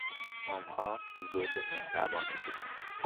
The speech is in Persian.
آنها زوج مهربانی بودند.